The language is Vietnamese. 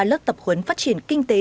lớp tập huấn phát triển kinh tế